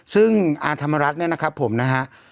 ซึ่งอาธรรมรัฐเนี่ยนะครับผมนะฮะ